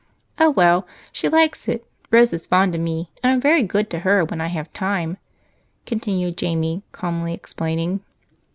"Oh, well! She likes it. Rose is fond of me, and I'm very good to her when I have time," continued Jamie, calmly explaining.